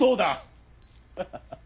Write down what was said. ハハハハ。